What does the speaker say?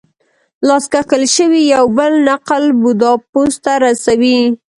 لاس کښل شوی یو بل نقل بوداپست ته رسوي.